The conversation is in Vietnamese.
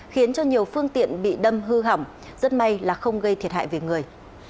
khiến cho nhiều phương tiện bị đâm hư hỏng rất may là không gây thiệt hại về người